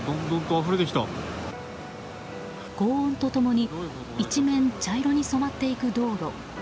轟音と共に一面茶色に染まっていく道路。